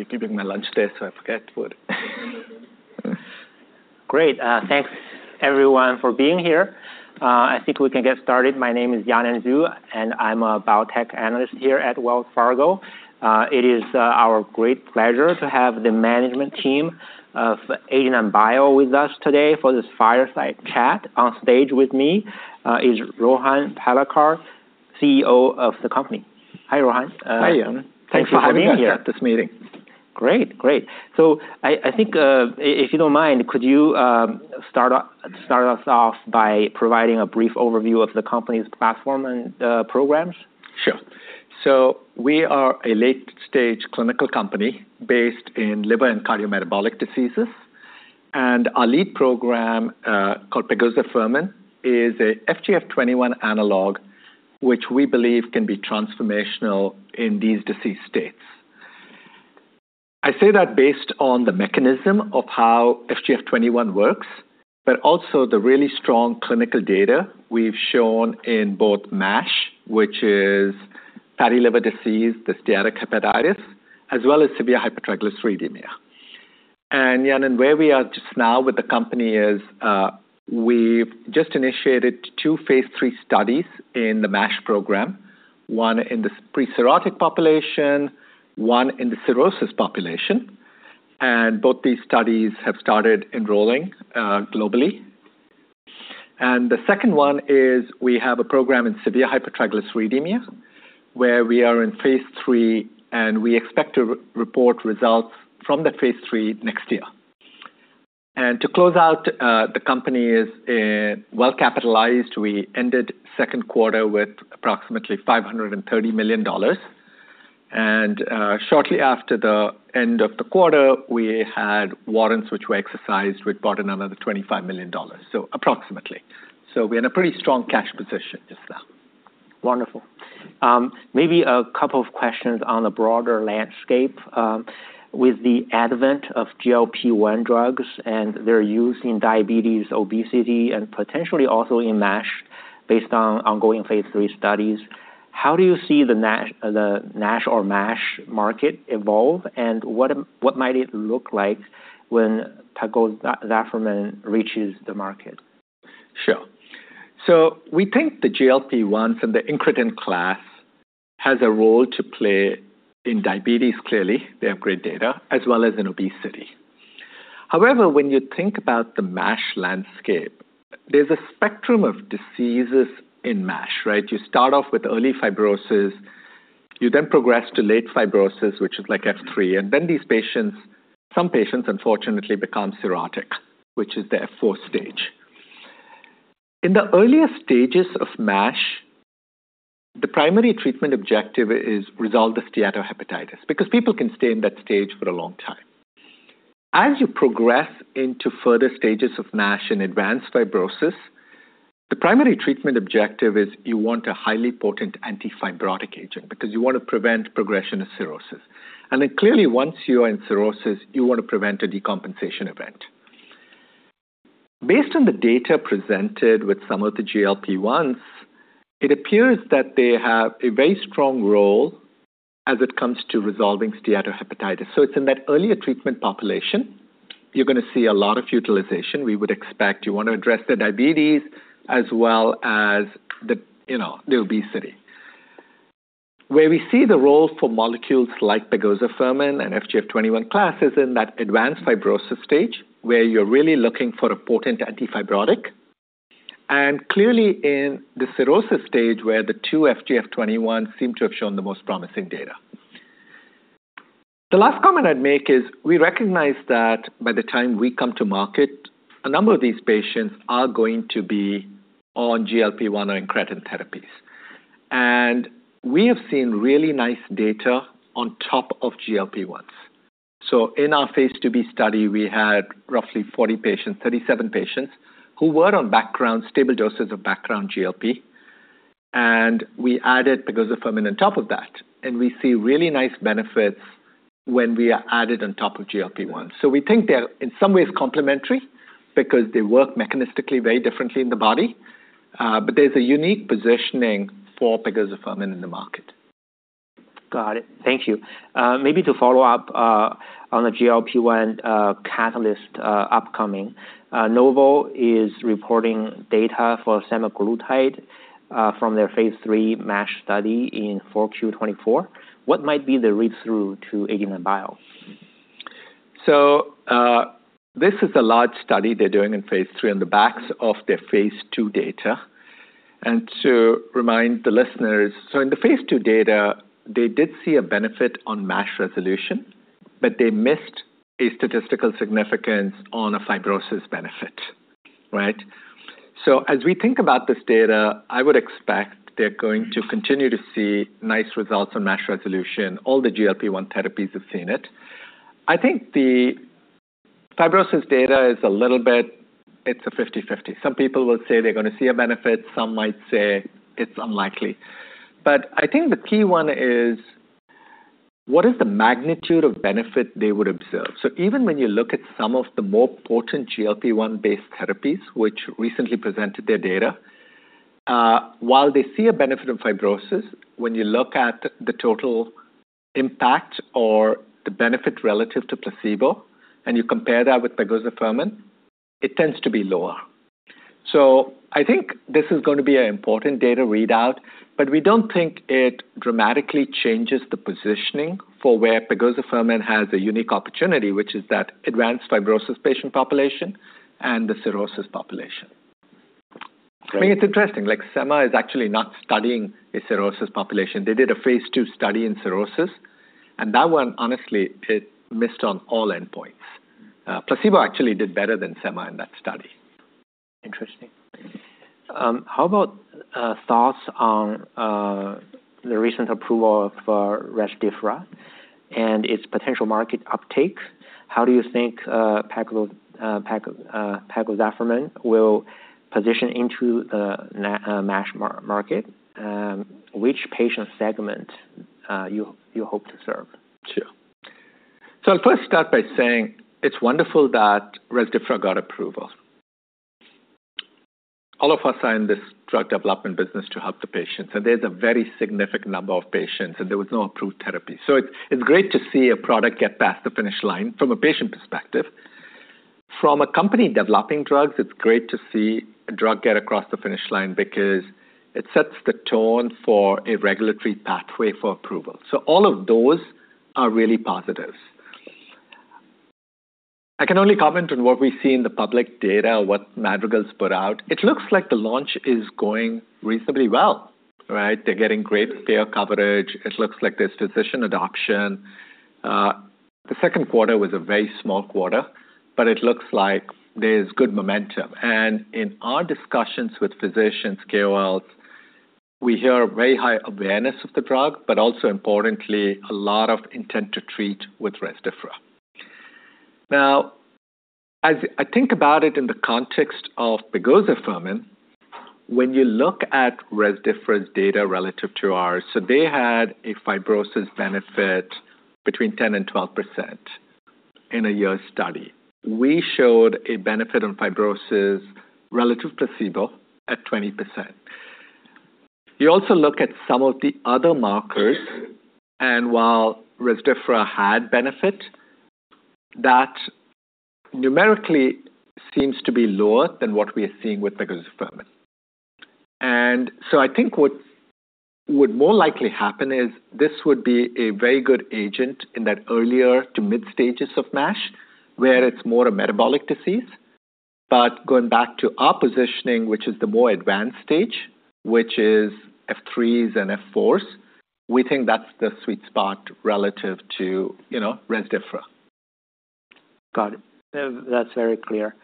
I keep eating my lunch there, so I forget what. Great. Thanks everyone for being here. I think we can get started. My name is Yanan Zhu, and I'm a biotech analyst here at Wells Fargo. It is our great pleasure to have the management team of 89bio with us today for this fireside chat. On stage with me is Rohan Palekar, CEO of the company. Hi, Rohan. Hi. Thank you for having me here. Thanks for having us at this meeting. Great. Great. So I think, if you don't mind, could you start us off by providing a brief overview of the company's platform and programs? Sure. So we are a late-stage clinical company based in liver and cardiometabolic diseases. And our lead program, called pegozafermin, is a FGF21 analog, which we believe can be transformational in these disease states. I say that based on the mechanism of how FGF21 works, but also the really strong clinical data we've shown in both MASH, which is fatty liver disease, the steatohepatitis, as well as severe hypertriglyceridemia. And Yanan, where we are just now with the company is, we've just initiated two Phase 3 studies in the MASH program, one in the pre-cirrhotic population, one in the cirrhosis population, and both these studies have started enrolling globally. And the second one is we have a program in severe hypertriglyceridemia, where we are in Phase 3, and we expect to report results from the Phase 3 next year. To close out, the company is well capitalized. We ended Q2 with approximately $530 million, and shortly after the end of the quarter, we had warrants which were exercised. We brought another $25 million, so approximately. So we're in a pretty strong cash position just now. Wonderful. Maybe a couple of questions on a broader landscape. With the advent of GLP-1 drugs and their use in diabetes, obesity, and potentially also in MASH, based on ongoing Phase 3 studies, how do you see the NASH or MASH market evolve, and what might it look like when pegozafermin reaches the market? Sure. So we think the GLP-1 from the incretin class has a role to play in diabetes. Clearly, they have great data as well as in obesity. However, when you think about the MASH landscape, there's a spectrum of diseases in MASH, right? You start off with early fibrosis, you then progress to late fibrosis, which is like F3, and then these patients, some patients unfortunately become cirrhotic, which is their fourth stage. In the earlier stages of MASH, the primary treatment objective is resolve the steatohepatitis, because people can stay in that stage for a long time. As you progress into further stages of MASH and advanced fibrosis, the primary treatment objective is you want a highly potent antifibrotic agent, because you want to prevent progression of cirrhosis. And then clearly, once you are in cirrhosis, you want to prevent a decompensation event. Based on the data presented with some of the GLP-1s, it appears that they have a very strong role as it comes to resolving steatohepatitis. So it's in that earlier treatment population, you're gonna see a lot of utilization. We would expect you want to address the diabetes as well as the, you know, the obesity. Where we see the role for molecules like pegozafermin and FGF21 classes in that advanced fibrosis stage, where you're really looking for a potent antifibrotic, and clearly in the cirrhosis stage, where the two FGF21 seem to have shown the most promising data. The last comment I'd make is we recognize that by the time we come to market, a number of these patients are going to be on GLP-1 or incretin therapies, and we have seen really nice data on top of GLP-1s. So in our Phase 2b study, we had roughly 40 patients, 37 patients, who were on background, stable doses of background GLP, and we added pegozafermin on top of that, and we see really nice benefits when we are added on top of GLP-1. So we think they're, in some ways, complementary because they work mechanistically very differently in the body, but there's a unique positioning for pegozafermin in the market. Got it. Thank you. Maybe to follow up on the GLP-1 catalyst upcoming. Novo is reporting data for Semaglutide from their Phase 3 MASH study in Q4 2024. What might be the read-through to 89Bio? This is a large study they're doing in Phase 3 on the backs of their Phase 2 data. To remind the listeners, so in the Phase 2 data, they did see a benefit on MASH resolution, but they missed a statistical significance on a fibrosis benefit, right? As we think about this data, I would expect they're going to continue to see nice results on MASH resolution. All the GLP-1 therapies have seen it. I think the fibrosis data is a little bit... It's a fifty-fifty. Some people will say they're gonna see a benefit, some might say it's unlikely. I think the key one is, what is the magnitude of benefit they would observe? Even when you look at some of the more potent GLP-1-based therapies, which recently presented their data... While they see a benefit of fibrosis, when you look at the total impact or the benefit relative to placebo, and you compare that with pegozafermin, it tends to be lower. So I think this is going to be an important data readout, but we don't think it dramatically changes the positioning for where pegozafermin has a unique opportunity, which is that advanced fibrosis patient population and the cirrhosis population. I mean, it's interesting, like Sema is actually not studying a cirrhosis population. They did a Phase 2 study in cirrhosis, and that one, honestly, it missed on all endpoints. Placebo actually did better than Sema in that study. Interesting. How about thoughts on the recent approval of Rezdiffra and its potential market uptake? How do you think pegozafermin will position into the MASH market? Which patient segment you hope to serve too? So I'll first start by saying it's wonderful that Rezdiffra got approval. All of us are in this drug development business to help the patients, and there's a very significant number of patients, and there was no approved therapy. So it's, it's great to see a product get past the finish line from a patient perspective. From a company developing drugs, it's great to see a drug get across the finish line because it sets the tone for a regulatory pathway for approval. So all of those are really positives. I can only comment on what we see in the public data, what Madrigal's put out. It looks like the launch is going reasonably well, right? They're getting great payer coverage. It looks like there's physician adoption. The Q2 was a very small quarter, but it looks like there's good momentum. In our discussions with physicians, KOLs, we hear very high awareness of the drug, but also importantly, a lot of intent to treat with Rezdiffra. Now, as I think about it in the context of pegozafermin, when you look at Rezdiffra's data relative to ours, so they had a fibrosis benefit between 10% and 12% in a year study. We showed a benefit on fibrosis relative to placebo at 20%. You also look at some of the other markers, and while Rezdiffra had benefit, that numerically seems to be lower than what we are seeing with pegozafermin. So I think what would more likely happen is this would be a very good agent in that earlier to mid stages of MASH, where it's more a metabolic disease. But going back to our positioning, which is the more advanced stage, which is F3s and F4s, we think that's the sweet spot relative to, you know, Rezdiffra. Got it. That's very clear.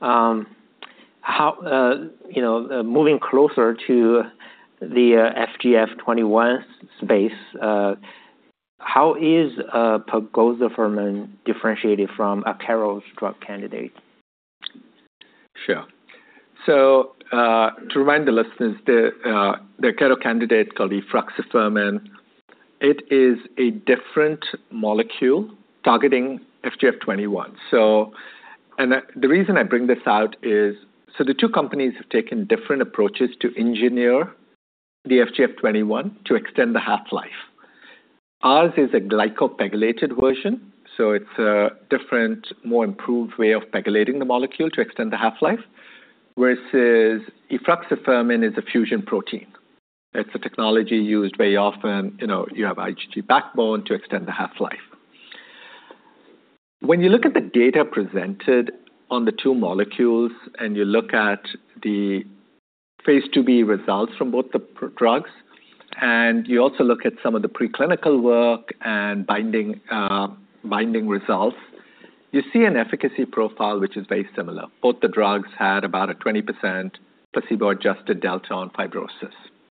How, you know, moving closer to the FGF21 space, how is pegozafermin differentiated from Akero's drug candidate? Sure. To remind the listeners, the Akero candidate called efruxifermin, it is a different molecule targeting FGF21. And the reason I bring this out is, the two companies have taken different approaches to engineer the FGF21 to extend the half-life. Ours is a glycopegylated version, so it's a different, more improved way of pegylating the molecule to extend the half-life, whereas efruxifermin is a fusion protein. It's a technology used very often, you know, you have IgG backbone to extend the half-life. When you look at the data presented on the two molecules, and you look at the phase 2b results from both the drugs, and you also look at some of the preclinical work and binding results, you see an efficacy profile which is very similar. Both the drugs had about a 20% placebo-adjusted delta on fibrosis,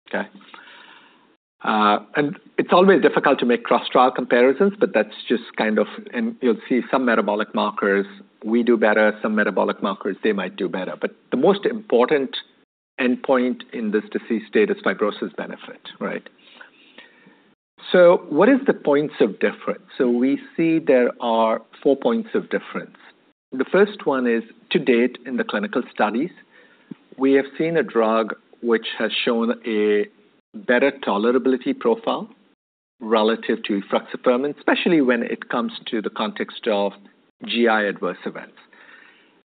okay? And it's always difficult to make cross-trial comparisons, but that's just kind of, and you'll see some metabolic markers, we do better, some metabolic markers, they might do better. But the most important endpoint in this disease state is fibrosis benefit, right? So what is the points of difference? So we see there are four points of difference. The first one is, to date, in the clinical studies, we have seen a drug which has shown a better tolerability profile relative to efruxifermin, especially when it comes to the context of GI adverse events.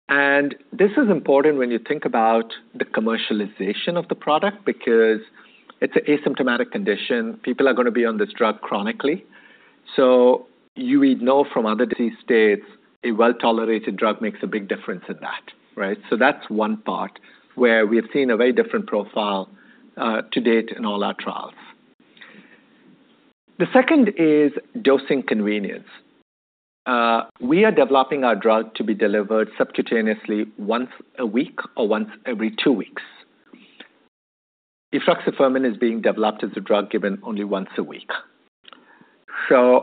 And this is important when you think about the commercialization of the product, because it's an asymptomatic condition. People are gonna be on this drug chronically. You would know from other disease states, a well-tolerated drug makes a big difference in that, right? That's one part where we have seen a very different profile to date in all our trials. The second is dosing convenience. We are developing our drug to be delivered subcutaneously once a week or once every two weeks. Efruxifermin is being developed as a drug given only once a week. The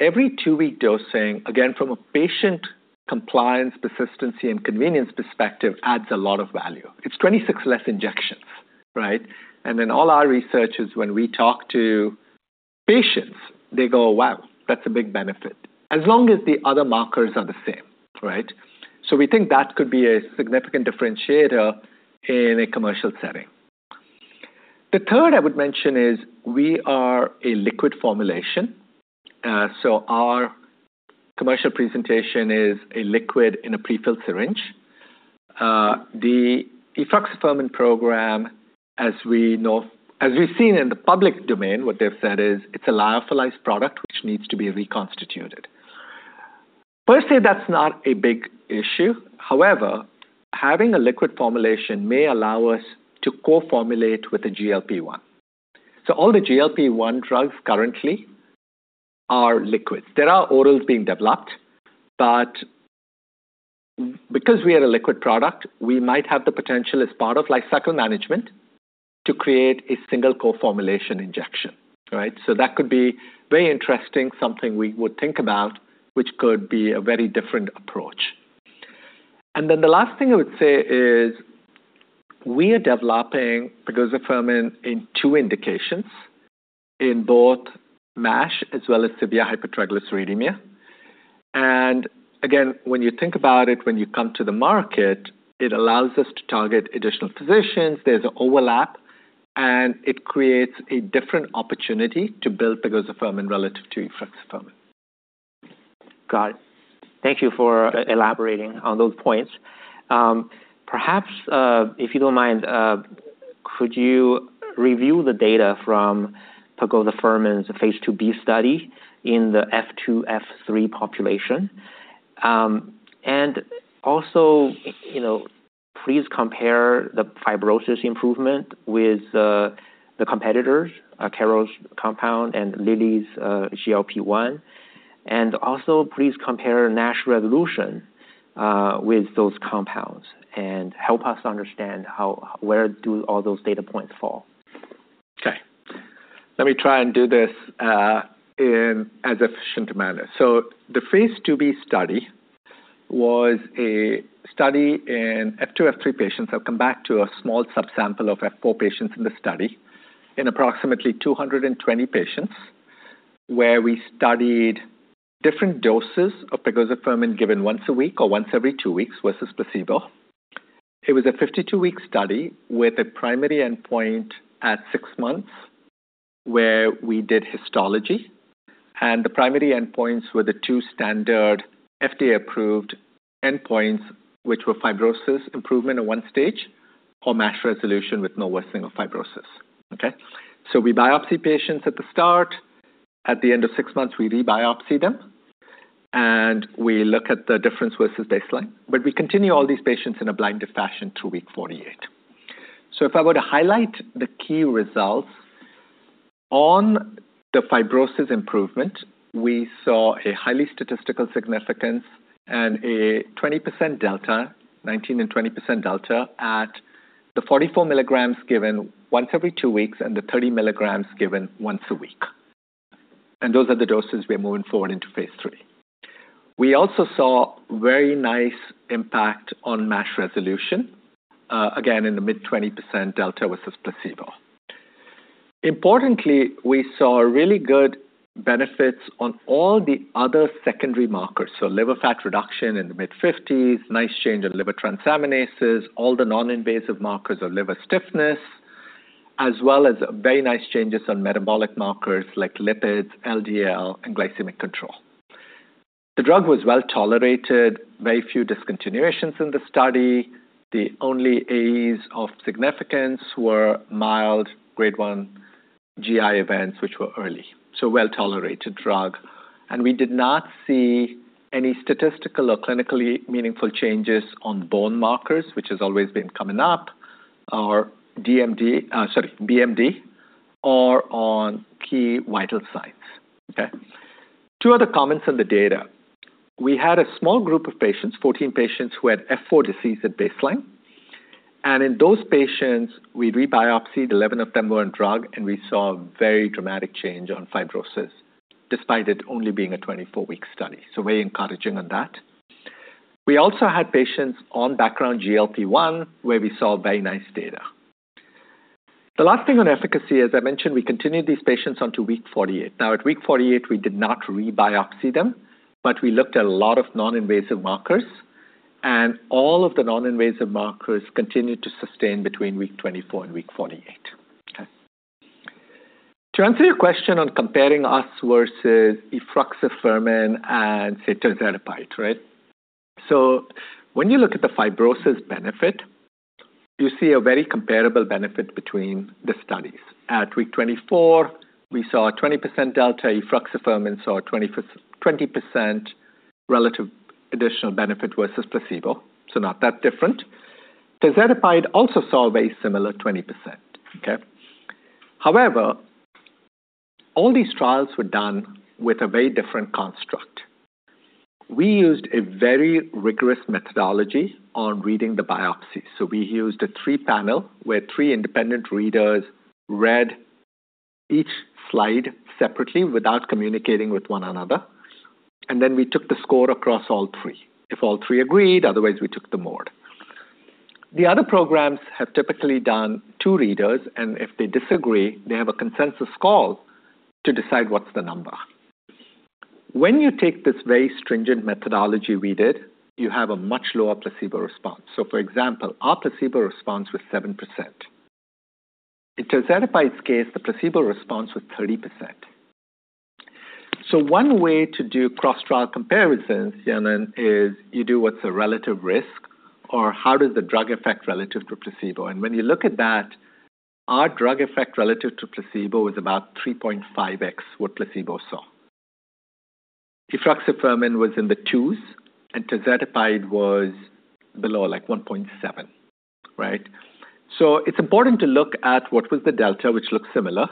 every two-week dosing, again, from a patient compliance, persistency, and convenience perspective, adds a lot of value. It's 26 less injections, right? And then all our researchers, when we talk to patients, they go, "Wow, that's a big benefit!" As long as the other markers are the same, right? We think that could be a significant differentiator in a commercial setting. The third I would mention is, we are a liquid formulation, so our commercial presentation is a liquid in a prefilled syringe. The efruxifermin program, as we know, as we've seen in the public domain, what they've said is, it's a lyophilized product, which needs to be reconstituted. Per se, that's not a big issue. However, having a liquid formulation may allow us to co-formulate with a GLP-1. So all the GLP-1 drugs currently are liquids. There are orals being developed, but because we had a liquid product, we might have the potential as part of life cycle management, to create a single co-formulation injection. Right? So that could be very interesting, something we would think about, which could be a very different approach. And then the last thing I would say is, we are developing pegozafermin in two indications, in both MASH as well as severe hypertriglyceridemia. And again, when you think about it, when you come to the market, it allows us to target additional physicians. There's an overlap, and it creates a different opportunity to build pegozafermin relative to efruxifermin. Got it. Thank you for elaborating on those points. Perhaps, if you don't mind, could you review the data from pegozafermin's phase 2b study in the F2, F3 population? And also, you know, please compare the fibrosis improvement with the competitors, Akero's compound and Lilly's GLP-1. And also, please compare NASH resolution with those compounds and help us understand how where do all those data points fall. Okay. Let me try and do this in as efficient manner. The phase 2b study was a study in F2, F3 patients. I'll come back to a small subsample of F4 patients in the study, in approximately 220 patients, where we studied different doses of pegozafermin given once a week or once every two weeks versus placebo. It was a 52-week study with a primary endpoint at six months, where we did histology, and the primary endpoints were the two standard FDA-approved endpoints, which were fibrosis improvement in one stage or MASH resolution with no worsening of fibrosis. Okay? We biopsy patients at the start. At the end of six months, we re-biopsy them, and we look at the difference versus baseline. But we continue all these patients in a blinded fashion to week 48. If I were to highlight the key results on the fibrosis improvement, we saw a highly statistical significance and a 20% delta, 19% and 20% delta, at the 44 milligrams given once every two weeks and the 30 milligrams given once a week. Those are the doses we are moving forward into phase 3. We also saw very nice impact on MASH resolution, again, in the mid-20% delta versus placebo. Importantly, we saw really good benefits on all the other secondary markers, so liver fat reduction in the mid-50s%, nice change in liver transaminases, all the non-invasive markers of liver stiffness, as well as very nice changes on metabolic markers like lipids, LDL, and glycemic control. The drug was well tolerated, very few discontinuations in the study. The only AEs of significance were mild, grade one GI events, which were early. So well-tolerated drug. We did not see any statistical or clinically meaningful changes on bone markers, which has always been coming up, or BMD, or on key vital signs. Okay? Two other comments on the data. We had a small group of patients, 14 patients, who had F4 disease at baseline, and in those patients, we re-biopsied, 11 of them were on drug, and we saw a very dramatic change on fibrosis, despite it only being a 24-week study. So very encouraging on that. We also had patients on background GLP-1, where we saw very nice data. The last thing on efficacy, as I mentioned, we continued these patients onto week 48. Now, at week 48, we did not re-biopsy them, but we looked at a lot of non-invasive markers, and all of the non-invasive markers continued to sustain between week 24 and week 48. Okay. To answer your question on comparing us versus efruxifermin and, say, tirzepatide, right? So when you look at the fibrosis benefit, you see a very comparable benefit between the studies. At week 24, we saw a 20% delta, efruxifermin saw a 20% relative additional benefit versus placebo, so not that different. Tirzepatide also saw a very similar 20%. Okay? However, all these trials were done with a very different construct. We used a very rigorous methodology on reading the biopsies, so we used a three-panel, where three independent readers read each slide separately without communicating with one another, and then we took the score across all three. If all three agreed, otherwise, we took the mode. The other programs have typically done two readers, and if they disagree, they have a consensus call to decide what's the number. When you take this very stringent methodology we did, you have a much lower placebo response. So for example, our placebo response was 7%. In tirzepatide's case, the placebo response was 30%. So one way to do cross-trial comparisons, Yanan, is you do what's a relative risk or how does the drug affect relative to placebo. And when you look at that, our drug effect relative to placebo is about three point five x what placebo saw. Efruxifermin was in the twos, and tirzepatide was below, like one point seven, right? So it's important to look at what was the delta, which looks similar,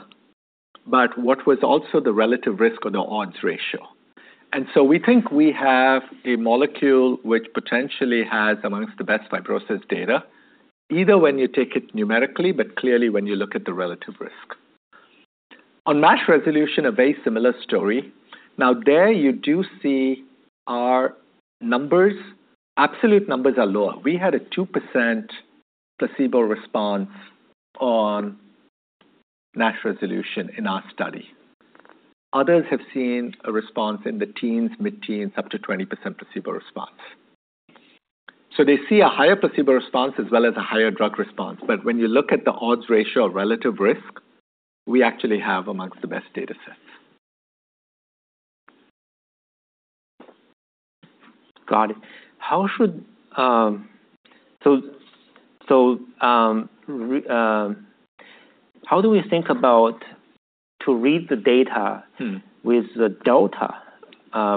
but what was also the relative risk or the odds ratio. And so we think we have a molecule which potentially has among the best fibrosis data, either when you take it numerically, but clearly when you look at the relative risk. On NASH resolution, a very similar story. Now, there you do see our numbers. Absolute numbers are lower. We had a 2% placebo response on NASH resolution in our study. Others have seen a response in the teens, mid-teens, up to 20% placebo response. So they see a higher placebo response as well as a higher drug response. But when you look at the odds ratio of relative risk, we actually have amongst the best datasets. Got it. How do we think about to read the data with the delta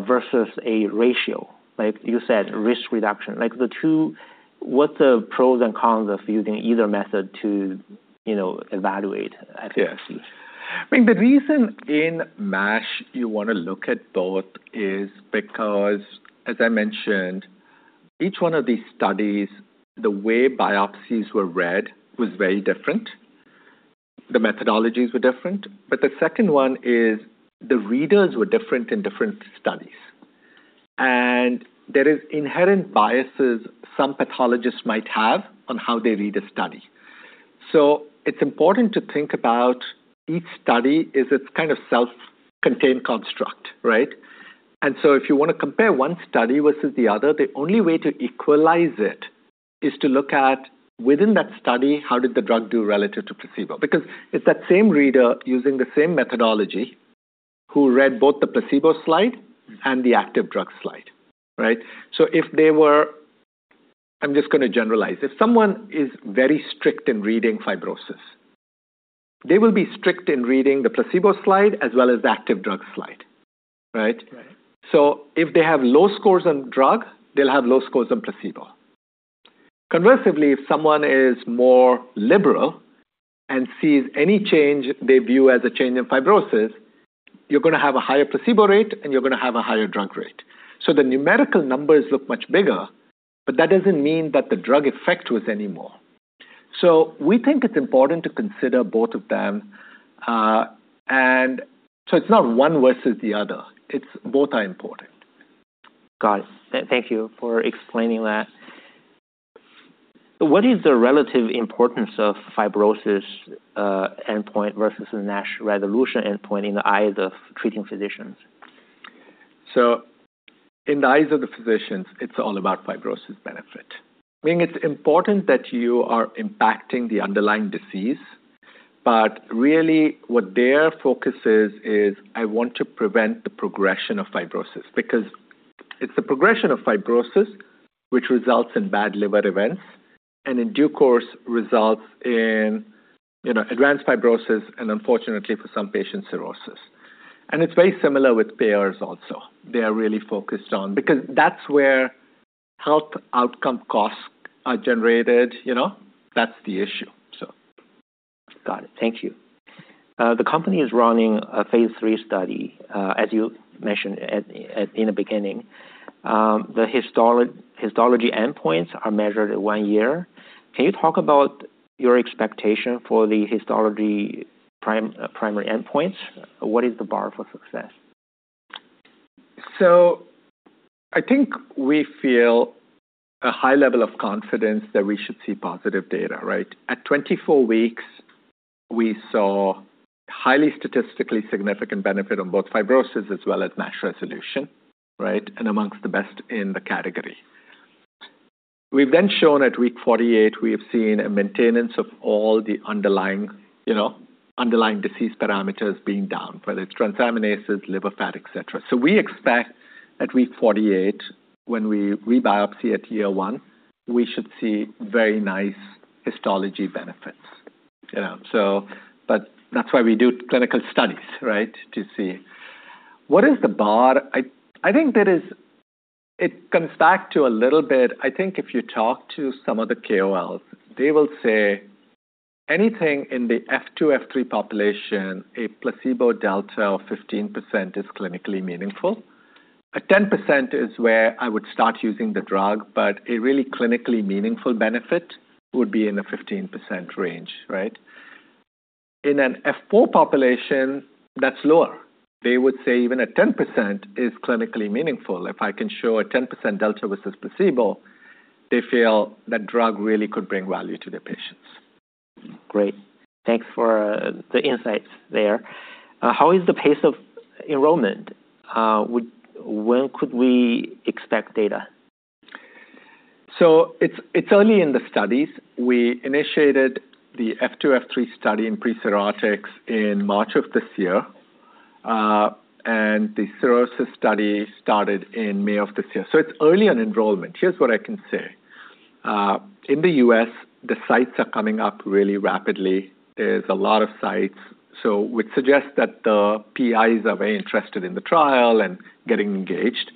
versus a ratio? Like you said, risk reduction. Like the two, what's the pros and cons of using either method to, you know, evaluate efficacy? Yes. I mean, the reason in MASH you want to look at both is because, as I mentioned, each one of these studies, the way biopsies were read was very different. The methodologies were different. But the second one is the readers were different in different studies. And there is inherent biases some pathologists might have on how they read a study. So it's important to think about each study is its kind of self-contained construct, right? And so if you want to compare one study versus the other, the only way to equalize it is to look at, within that study, how did the drug do relative to placebo? Because it's that same reader using the same methodology, who read both the placebo slide and the active drug slide, right? So if they were... I'm just going to generalize: If someone is very strict in reading fibrosis, they will be strict in reading the placebo slide as well as the active drug slide, right? Right. So if they have low scores on drug, they'll have low scores on placebo. Conversely, if someone is more liberal and sees any change they view as a change in fibrosis, you're going to have a higher placebo rate, and you're going to have a higher drug rate. So the numerical numbers look much bigger, but that doesn't mean that the drug effect was any more. So we think it's important to consider both of them, and so it's not one versus the other. It's both are important. Got it. Thank you for explaining that. What is the relative importance of fibrosis endpoint versus the NASH resolution endpoint in the eyes of treating physicians? So in the eyes of the physicians, it's all about fibrosis benefit. I mean, it's important that you are impacting the underlying disease, but really what their focus is, is I want to prevent the progression of fibrosis, because it's the progression of fibrosis which results in bad liver events, and in due course, results in, you know, advanced fibrosis and unfortunately, for some patients, cirrhosis, and it's very similar with payers also. They are really focused on, because that's where health outcome costs are generated, you know? That's the issue, so. Got it. Thank you. The company is running a Phase 3 study, as you mentioned at, in the beginning. The histology endpoints are measured at one year. Can you talk about your expectation for the histology prime, primary endpoints? What is the bar for success? I think we feel a high level of confidence that we should see positive data, right? At 24 weeks, we saw highly statistically significant benefit on both fibrosis as well as NASH resolution, right? And amongst the best in the category. We've then shown at week 48, we have seen a maintenance of all the underlying, you know, disease parameters being down, whether it's transaminases, liver fat, et cetera. So we expect at week 48, when we rebiopsy at year one, we should see very nice histology benefits. You know, so. But that's why we do clinical studies, right? To see. What is the bar? I think there is. It comes back to a little bit. I think if you talk to some of the KOLs, they will say anything in the F2, F3 population, a placebo delta of 15% is clinically meaningful. At 10% is where I would start using the drug, but a really clinically meaningful benefit would be in the 15% range, right?... in an F4 population, that's lower. They would say even a 10% is clinically meaningful. If I can show a 10% delta versus placebo, they feel that drug really could bring value to their patients. Great. Thanks for the insights there. How is the pace of enrollment? When could we expect data? So it's, it's early in the studies. We initiated the F2, F3 study in pre-cirrhotics in March of this year. And the cirrhosis study started in May of this year, so it's early on enrollment. Here's what I can say. In the US, the sites are coming up really rapidly. There's a lot of sites, so would suggest that the PIs are very interested in the trial and getting engaged.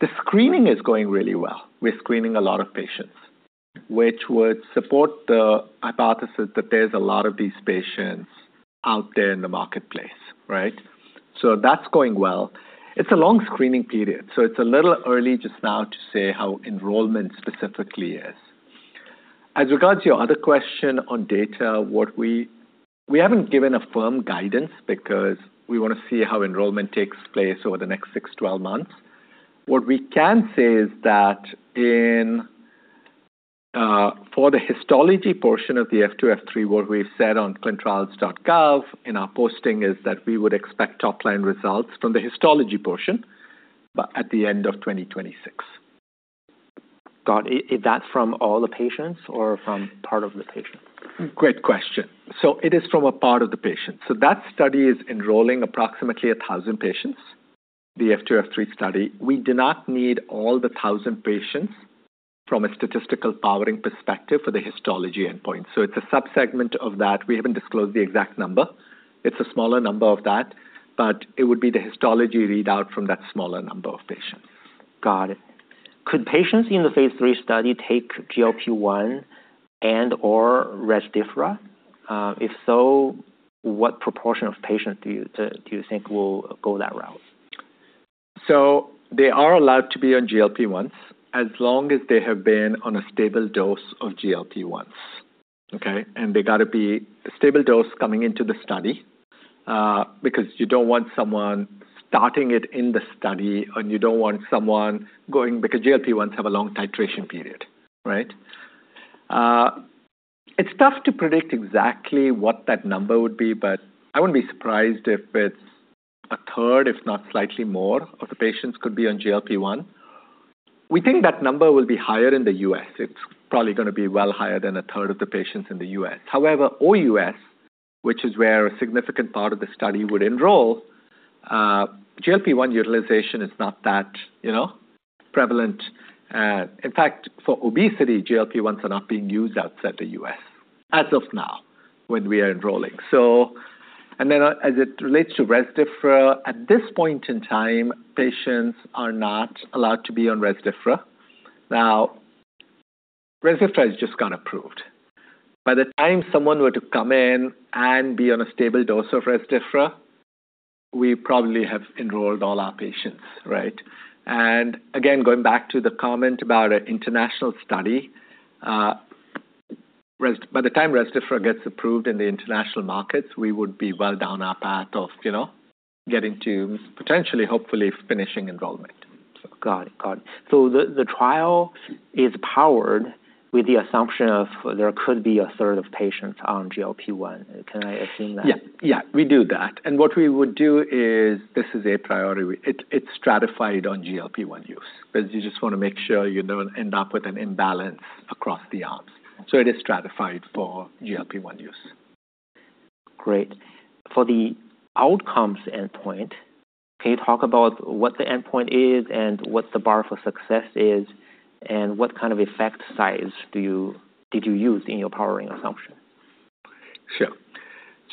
The screening is going really well. We're screening a lot of patients, which would support the hypothesis that there's a lot of these patients out there in the marketplace, right? So that's going well. It's a long screening period, so it's a little early just now to say how enrollment specifically is. As regards to your other question on data, what we haven't given a firm guidance because we wanna see how enrollment takes place over the next six, twelve months. What we can say is that for the histology portion of the F2, F3, what we've said on clinicaltrials.gov in our posting is that we would expect top line results from the histology portion, but at the end of twenty twenty-six. Got it. Is that from all the patients or from part of the patients? Great question. So it is from a part of the patient. So that study is enrolling approximately a thousand patients, the F2, F3 study. We do not need all the thousand patients from a statistical powering perspective for the histology endpoint, so it's a subsegment of that. We haven't disclosed the exact number. It's a smaller number of that, but it would be the histology readout from that smaller number of patients. Got it. Could patients in the phase III study take GLP-1 and/or Rezdiffra? If so, what proportion of patients do you think will go that route? So they are allowed to be on GLP-1s, as long as they have been on a stable dose of GLP-1s, okay? And they got to be a stable dose coming into the study, because you don't want someone starting it in the study, and you don't want someone going, because GLP-1s have a long titration period, right? It's tough to predict exactly what that number would be, but I wouldn't be surprised if it's a third, if not slightly more, of the patients could be on GLP-1. We think that number will be higher in the U.S. It's probably gonna be well higher than a third of the patients in the U.S. However, OUS, which is where a significant part of the study would enroll, GLP-1 utilization is not that prevalent. In fact, for obesity, GLP-1s are not being used outside the U.S. as of now, when we are enrolling. And then as it relates to Rezdiffra, at this point in time, patients are not allowed to be on Rezdiffra. Now, Rezdiffra has just got approved. By the time someone were to come in and be on a stable dose of Rezdiffra, we probably have enrolled all our patients, right? And again, going back to the comment about an international study, by the time Rezdiffra gets approved in the international markets, we would be well down our path of, you know, getting to potentially hopefully finishing enrollment. Got it. Got it. So the trial is powered with the assumption of there could be a third of patients on GLP-1. Can I assume that? Yeah. Yeah, we do that, and what we would do is this is a priority. It's stratified on GLP-1 use, because you just wanna make sure you don't end up with an imbalance across the arms, so it is stratified for GLP-1 use. Great. For the outcomes endpoint, can you talk about what the endpoint is and what the bar for success is, and what kind of effect size do you-- did you use in your powering assumption? Sure.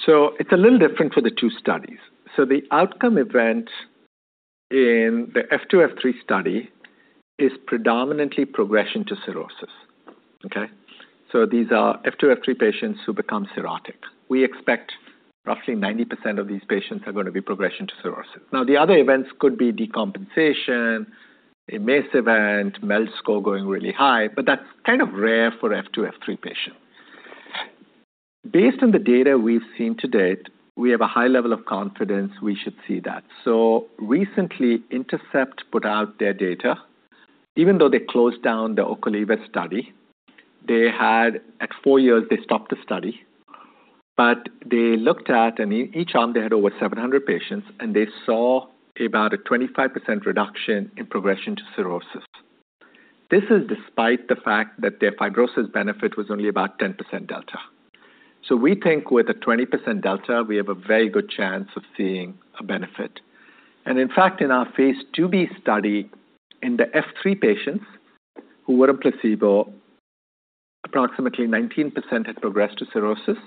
So it's a little different for the two studies. So the outcome event in the F2, F3 study is predominantly progression to cirrhosis. Okay? So these are F2, F3 patients who become cirrhotic. We expect roughly 90% of these patients are gonna be progression to cirrhosis. Now, the other events could be decompensation, MACE event, MELD score going really high, but that's kind of rare for F2, F3 patients. Based on the data we've seen to date, we have a high level of confidence we should see that. So recently, Intercept put out their data. Even though they closed down the Ocaliva study, they had. At four years they stopped the study, but they looked at, and each arm, they had over 700 patients, and they saw about a 25% reduction in progression to cirrhosis. This is despite the fact that their fibrosis benefit was only about 10% delta. So we think with a 20% delta, we have a very good chance of seeing a benefit. And in fact, in our phase IIB study in the F3 patients who were on placebo, approximately 19% had progressed to cirrhosis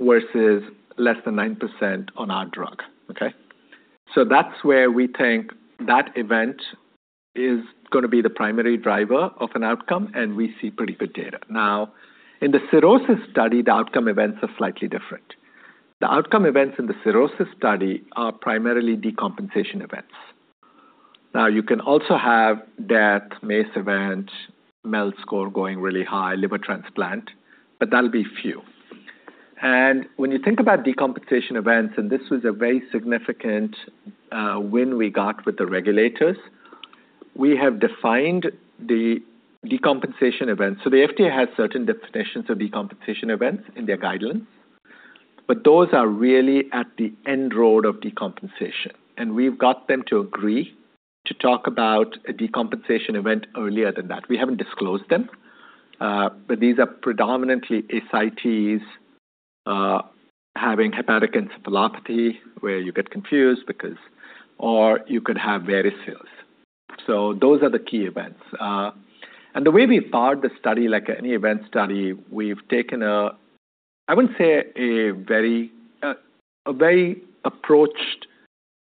versus less than 9% on our drug, okay? So that's where we think that event is gonna be the primary driver of an outcome, and we see pretty good data. Now, in the cirrhosis study, the outcome events are slightly different. The outcome events in the cirrhosis study are primarily decompensation events. Now, you can also have that MACE event, MELD score going really high, liver transplant, but that'll be few. When you think about decompensation events, and this was a very significant win we got with the regulators, we have defined the decompensation event. The FDA has certain definitions of decompensation events in their guidelines, but those are really at the endpoint of decompensation. We've got them to agree to talk about a decompensation event earlier than that. We haven't disclosed them, but these are predominantly SAEs having hepatic encephalopathy, where you get confused because... Or you could have varices. Those are the key events. The way we powered the study, like any event study, we've taken a very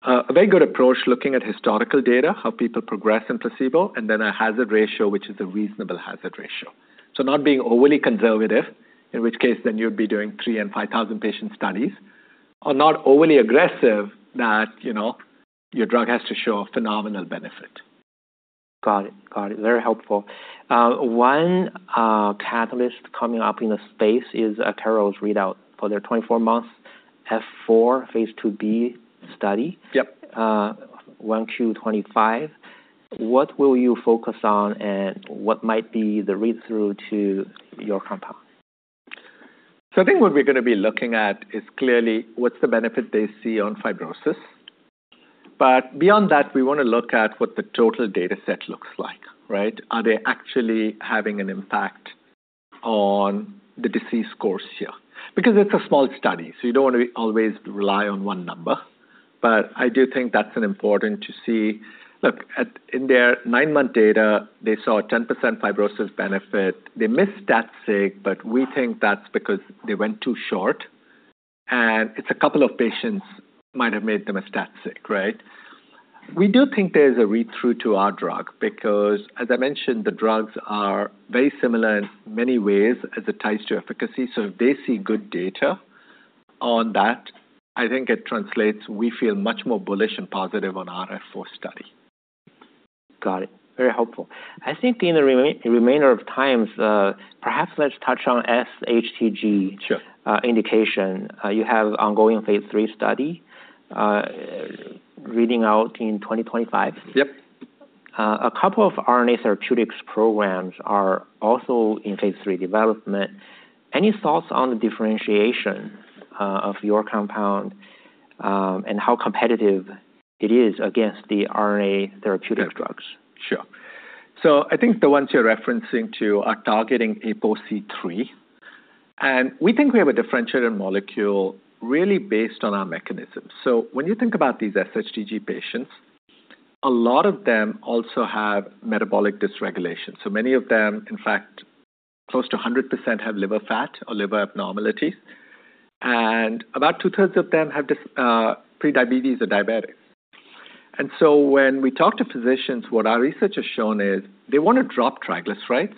conservative approach, looking at historical data, how people progress in placebo, and then a hazard ratio, which is a reasonable hazard ratio. So not being overly conservative, in which case then you'd be doing 3,000 and 5,000 patient studies, or not overly aggressive that, you know, your drug has to show a phenomenal benefit. Got it. Got it. Very helpful. One catalyst coming up in the space is Akero's readout for their twenty-four month F4, phase 2b study. Yep. 1Q25. What will you focus on, and what might be the read-through to your compound? So I think what we're going to be looking at is clearly, what's the benefit they see on fibrosis? But beyond that, we want to look at what the total dataset looks like, right? Are they actually having an impact on the disease course here? Because it's a small study, so you don't want to always rely on one number, but I do think that's an important to see. Look, at—in their nine-month data, they saw a 10% fibrosis benefit. They missed that stat sig, but we think that's because they went too short, and it's a couple of patients might have made them a stat sig, right? We do think there's a read-through to our drug, because, as I mentioned, the drugs are very similar in many ways as it ties to efficacy. So if they see good data on that, I think it translates. We feel much more bullish and positive on our F4 study. Got it. Very helpful. I think in the remainder of the time, perhaps let's touch on SHTG. Sure. Indication. You have ongoing phase 3 study, reading out in 2025. Yep. A couple of RNA therapeutics programs are also in Phase 3 development. Any thoughts on the differentiation of your compound and how competitive it is against the RNA therapeutic drugs? Sure. So I think the ones you're referencing to are targeting APOC3, and we think we have a differentiated molecule really based on our mechanism. So when you think about these SHTG patients, a lot of them also have metabolic dysregulation. So many of them, in fact, close to 100%, have liver fat or liver abnormalities, and about two-thirds of them have pre-diabetes or diabetic. And so when we talk to physicians, what our research has shown is, they want to drop triglycerides,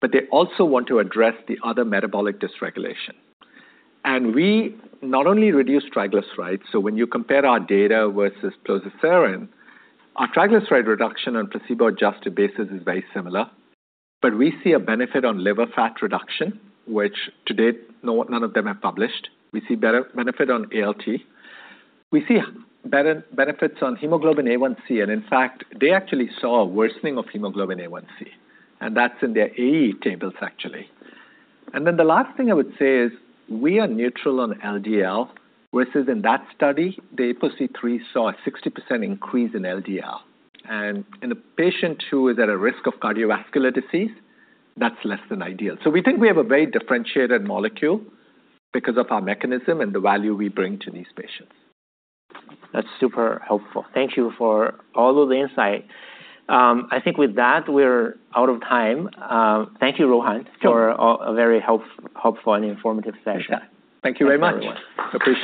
but they also want to address the other metabolic dysregulation. And we not only reduce triglycerides, so when you compare our data versus plozasiran, our triglyceride reduction on placebo-adjusted basis is very similar. But we see a benefit on liver fat reduction, which to date, none of them have published. We see better benefit on ALT. We see better benefits on hemoglobin A1c, and in fact, they actually saw a worsening of hemoglobin A1c, and that's in their AE tables, actually. And then the last thing I would say is, we are neutral on LDL, versus in that study, the APOC3 saw a 60% increase in LDL. And in a patient who is at a risk of cardiovascular disease, that's less than ideal. So we think we have a very differentiated molecule because of our mechanism and the value we bring to these patients. That's super helpful. Thank you for all of the insight. I think with that, we're out of time. Thank you, Rohan- Sure. - for a very helpful and informative session. Appreciate it. Thank you very much. Thanks, everyone. Appreciate it.